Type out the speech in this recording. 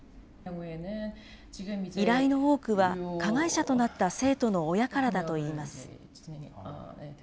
依頼の多くは加害者となった生徒の親からだといいます。